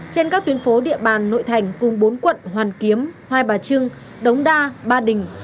trên các tuyến phố địa bàn nội thành cùng bốn quận hoàn kiếm hai bà trưng đống đa ba đình